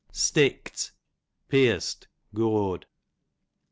Stickt, pierced, gored.